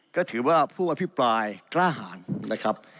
ก็ถือว่าผู้อภิปรายกล้าหารนะครับ